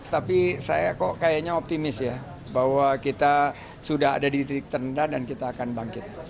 tapi saya kok kayaknya optimis ya bahwa kita sudah ada di titik terendah dan kita akan bangkit